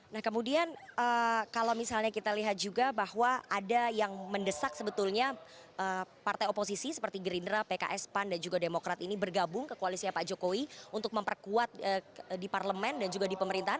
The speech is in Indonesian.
nah kemudian kalau misalnya kita lihat juga bahwa ada yang mendesak sebetulnya partai oposisi seperti gerindra pks pan dan juga demokrat ini bergabung ke koalisnya pak jokowi untuk memperkuat di parlemen dan juga di pemerintahan